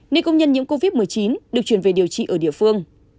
nên công nhân nhiễm covid một mươi chín được chuyển về điều trị ở địa phương